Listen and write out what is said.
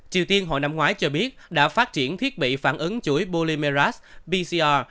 triều tiên hồi năm ngoái cho biết đã phát triển thiết bị phản ứng chuỗi bolimerat pcr